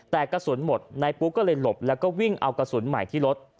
แต่กระสุนหมดนายปุ๊กก็เลยหลบแล้วก็วิ่งเอากระสุนใหม่ที่รถ